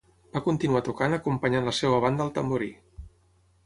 Va continuar tocant acompanyant la seva banda al tamborí.